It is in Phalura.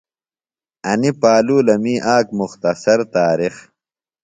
انی پالولمی آک مختصر تارِخ